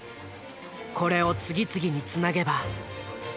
これを次々につなげば。